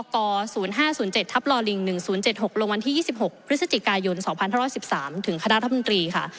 อก๐๕๐๗ทัพลอลิง๑๐๗๖รวมวันที่๒๖พฤศจิกายน๒๐๑๓ถึงคฎภัณฑ์ธรรมดีค่ะ